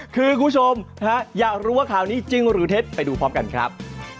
คือคุณผู้ชมอยากรู้ว่าข่าวนี้จริงหรือเท็จไปดูพร้อมกันครับ